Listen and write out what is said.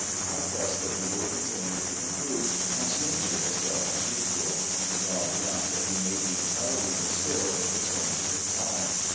I trust that you will continue to improve and soon be as well as usual. God grant that you may be entirely restored in His own good time.